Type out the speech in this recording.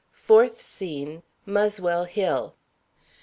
FOURTH SCENE. Muswell Hill.